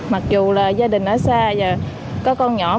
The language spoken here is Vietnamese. mặc dù là gia đình ở xa và có con nhỏ